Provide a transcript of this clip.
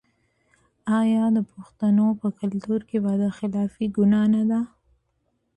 آیا د پښتنو په کلتور کې وعده خلافي ګناه نه ده؟